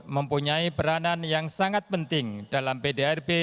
mempunyai peranan yang sangat penting dalam pdrb